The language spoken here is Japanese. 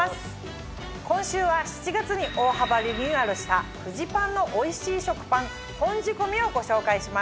今週は７月に大幅リニューアルしたフジパンのおいしい食パン「本仕込」をご紹介します。